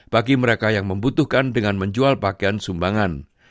bagi mereka yang membutuhkan dengan menjual pakaian sumbangan